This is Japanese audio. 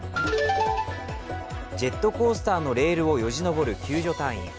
ジェットコースターのレールをよじ登る救助隊員。